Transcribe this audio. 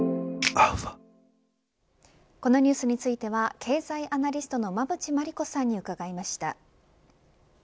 このニュースについては経済アナリストの馬渕磨理子さんに伺いました。